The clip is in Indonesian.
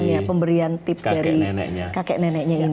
apa tujuannya pemberian tips dari kakek neneknya ini